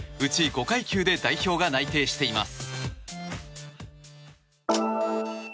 ５階級で代表が内定しています。